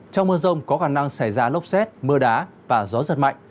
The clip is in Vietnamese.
trong mưa rông có khả năng xảy ra lốc xét mưa đá và gió giật mạnh